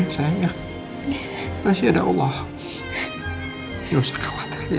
sayangnya masih ada allah ya usah khawatir ya